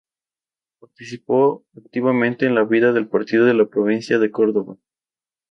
Participó activamente en la vida del partido en la provincia de Córdoba.